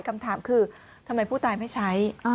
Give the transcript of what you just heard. คำถามคือทำไมผู้ตายไม่ใช้